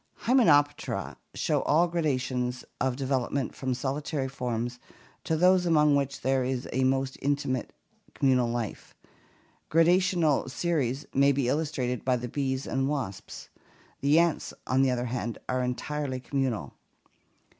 Hymenoptera show all gradations of development from solitary forms to those among which there is a most intimate communal life. Gradational series may be illustrated by the bees and wasps. The ants, on the other hand, are entirely communal.